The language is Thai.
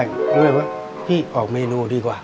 เริ่มได้ว่าพี่ออกเมนูดีกว่า